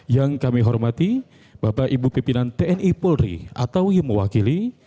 yang kami hormati bapak ibu pimpinan tni polri atau yang mewakili